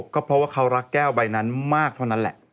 ก็เพราะว่าเขารักแก้วใบนั้นมากเท่านั้นแหละ